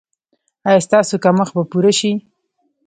ایا ستاسو کمښت به پوره شي؟